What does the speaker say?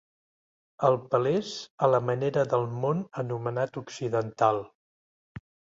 El pelés a la manera del món anomenat Occidental.